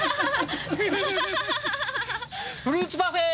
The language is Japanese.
フルーツパフェ！